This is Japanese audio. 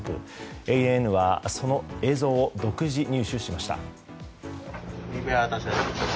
ＡＮＮはその映像を独自入手しました。